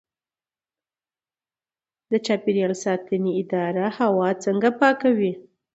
د چاپیریال ساتنې اداره هوا څنګه پاکوي؟